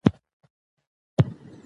د اړیکو خرابوالی د غوسې د څپو پایله ده.